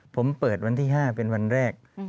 ผมเปิดวันที่๕เป็นวันแรก